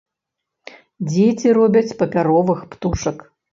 Дзеці робяць папяровых птушак.